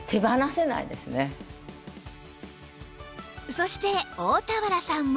そして大田原さんも